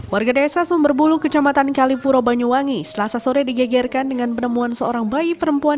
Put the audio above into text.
warga desa sumberbulu kecamatan kalipuro banyuwangi selasa sore digegerkan dengan penemuan seorang bayi perempuan